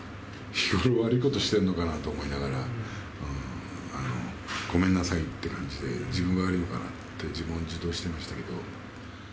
日頃、悪いことしてるのかなと思いながら、ごめんなさいって感じで、自分が悪いのかなって、自問自答してましたけど。